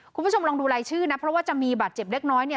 คุณผู้ชมลองดูรายชื่อนะเพราะว่าจะมีบาดเจ็บเล็กน้อยเนี่ย